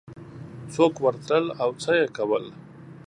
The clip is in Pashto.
څوک ورتلل او څه یې کول